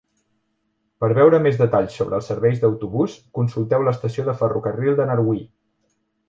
Per veure més detalls sobre els serveis d'autobús, consulteu l'estació de ferrocarril de Narwee.